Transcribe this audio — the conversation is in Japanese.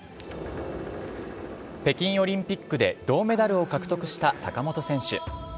北京オリンピックで銅メダルを獲得した坂本選手。